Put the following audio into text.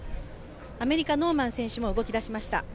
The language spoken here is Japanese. アメリカ、ノーマン選手も動きだしました。